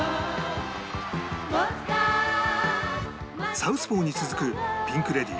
『サウスポー』に続くピンク・レディー